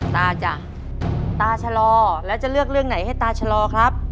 จ้ะตาชะลอแล้วจะเลือกเรื่องไหนให้ตาชะลอครับ